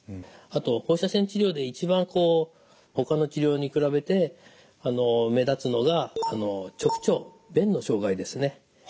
あと放射線治療で一番ほかの治療に比べて目立つのが直腸便の障害ですね。